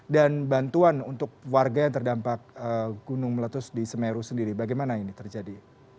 dan bantuan untuk warga yang terdampak gunung meletus di semeru sendiri bagaimana ini terjadi